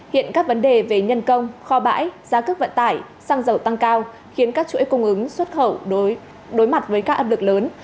hiện các vấn đề về nhân công kho bãi giá cước vận tải xăng dầu tăng cao khiến các chuỗi cung ứng xuất khẩu đối mặt với các áp lực lớn